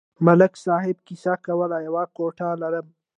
ملک صاحب کیسه کوله: یوه کوټه لرم.